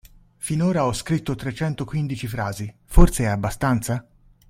Finora ho scritto trecentoquindici frasi, forse è abbastanza?